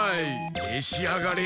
めしあがれ！